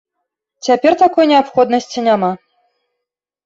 Цяпер такой неабходнасці няма.